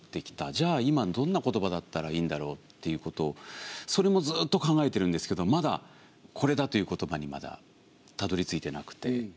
じゃあ今どんな言葉だったらいいんだろうっていうことをそれもずっと考えているんですけどまだこれだという言葉にまだたどりついてなくて。